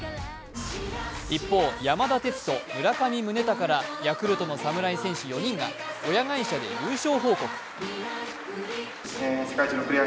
一方、山田哲人、村上宗隆らヤクルトの侍戦士４人が親会社で優勝報告。